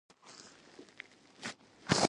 • زړور سړی د ستونزو حل ته لاره لټوي.